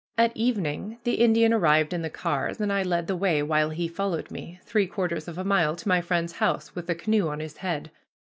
At evening the Indian arrived in the cars, and I led the way, while he followed me, three quarters of a mile to my friend's house, with the canoe on his head.